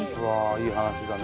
いい話だね。